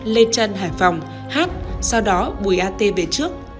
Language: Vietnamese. lê trân hải phòng hát sau đó bùi a t về trước